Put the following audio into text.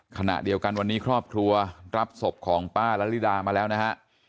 ขณะเดียวกันวันนี้ครอบครัวรับศพของป้าละลิดามาแล้วนะฮะ